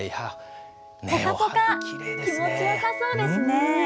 お花、ぽかぽか、気持ちよさそうですね。